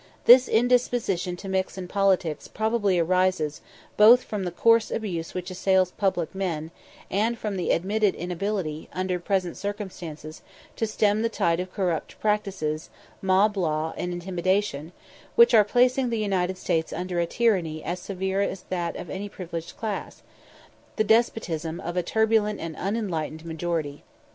This indisposition to mix in politics probably arises both from the coarse abuse which assails public men, and from the admitted inability, under present circumstances, to stem the tide of corrupt practices, mob law, and intimidation, which are placing the United States under a tyranny as severe as that of any privileged class the despotism of a turbulent and unenlightened majority.